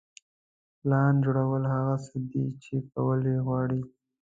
پلان جوړول هغه څه دي چې کول یې غواړئ.